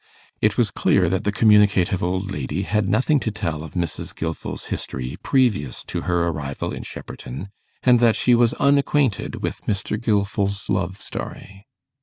It was clear that the communicative old lady had nothing to tell of Mrs. Gilfil's history previous to her arrival in Shepperton, and that she was unacquainted with Mr. Gilfil's love story.